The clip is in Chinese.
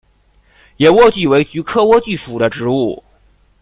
野莴苣为菊科莴苣属的植物。